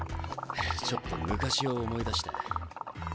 ちょっと昔を思い出した。